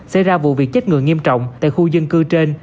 xảy ra vụ việc chết người nghiêm trọng tại khu dân cư trên